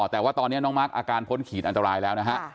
แต่ว่าตอนนี้น้องมาร์คอาการพ้นขีดอันตรายแล้วนะฮะ